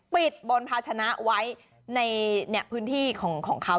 บนภาชนะไว้ในพื้นที่ของเขา